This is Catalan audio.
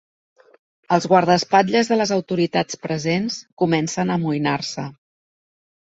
Els guardaespatlles de les autoritats presents comencen a amoïnar-se.